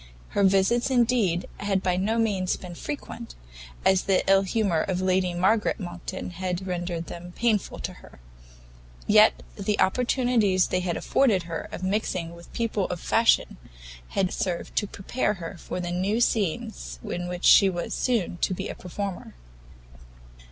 Her visits, indeed, had by no means been frequent, as the ill humour of Lady Margaret Monckton had rendered them painful to her; yet the opportunities they had afforded her of mixing with people of fashion, had served to prepare her for the new scenes in which she was soon to be a performer.